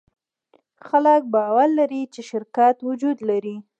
خلک باور لري، چې شرکت وجود لري.